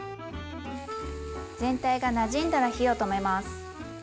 全体がなじんだら火を止めます。